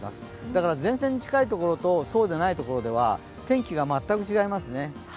だから前線に近い所とそうでない所では天気が全く違いますね。